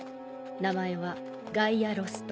名前はガイアロスト。